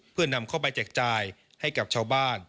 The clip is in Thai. เพื่อนำเข้าไปแจกจ่ายให้กับชาวบ้าน